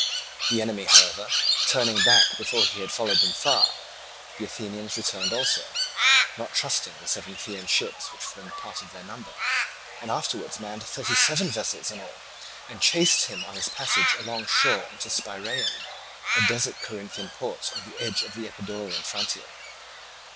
The enemy, however, turning back before he had followed them far, the Athenians returned also, not trusting the seven Chian ships which formed part of their number, and afterwards manned thirty seven vessels in all and chased him on his passage alongshore into Spiraeum, a desert Corinthian port on the edge of the Epidaurian frontier.